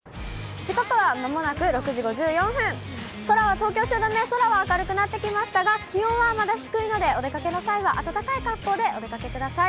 東京・汐留、空は明るくなってきましたが、気温はまだ低いので、お出かけの際は暖かい格好でお出かけください。